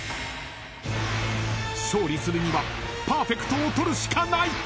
［勝利するにはパーフェクトを取るしかない］